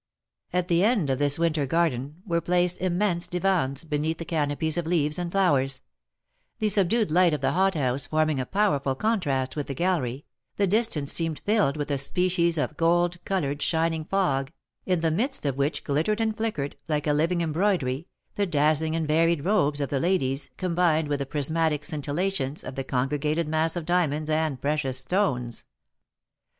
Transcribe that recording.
At the end of this winter garden were placed immense divans beneath canopies of leaves and flowers; the subdued light of the hothouse forming a powerful contrast with the gallery, the distance seemed filled with a species of gold coloured, shining fog, in the midst of which glittered and flickered, like a living embroidery, the dazzling and varied robes of the ladies, combined with the prismatic scintillations of the congregated mass of diamonds and precious stones.